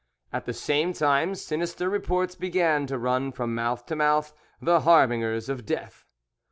At the same time sinister reports began to run from mouth to mouth, the harbingers of death.